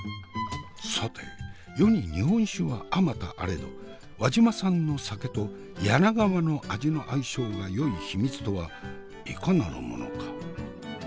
さて世に日本酒はあまたあれど輪島産の酒と柳川の味の相性がよい秘密とはいかなるものか？